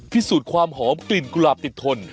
พิสูจน์ความหอมกลิ่นกุหลาบติดทน